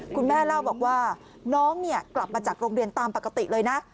คุณแม่เล่าบอกว่าน้องเนี่ยกลับมาจากโรงเรียนตามปกติเลยนะ